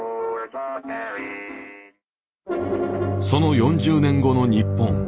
その４０年後の日本。